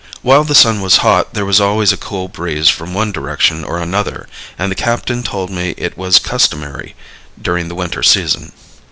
While the sun was hot there was always a cool breeze from one direction or another, and the captain told me it was customary during the winter season.